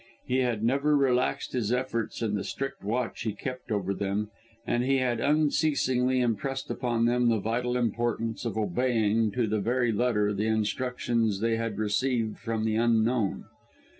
He had never relaxed his efforts in the strict watch he kept over them, and he had unceasingly impressed upon them, the vital importance of obeying, to the very letter, the instructions they had received from the Unknown.